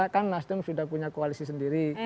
kan nasdem sudah punya koalisi sendiri